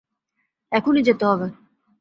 এখনি যেতে হবে।